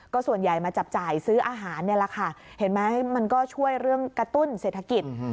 ส่วนใหญ่มาจับจ่ายซื้ออาหารนี่แหละค่ะเห็นไหมมันก็ช่วยเรื่องกระตุ้นเศรษฐกิจ